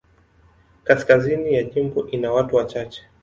Kaskazini ya jimbo ina watu wachache.